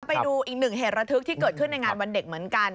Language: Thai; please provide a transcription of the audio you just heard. ไปดูอีกหนึ่งเหตุระทึกที่เกิดขึ้นในงานวันเด็กเหมือนกัน